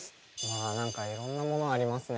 あ何かいろんなものありますね。